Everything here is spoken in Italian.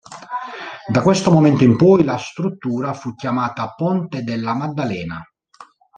Da questo momento in poi la struttura fu chiamata "Ponte della Maddalena".